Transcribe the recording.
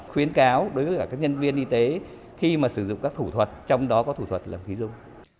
khuyến cáo đối với cả các nhân viên y tế khi mà sử dụng các thủ thuật trong đó có thủ thuật lập khí dung